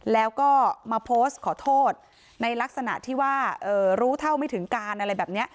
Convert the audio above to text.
แล้วก็มาโพสต์ขอโทษในลักษณะที่ว่ารู้เท่าไม่ถึงการอะไรแบบนี้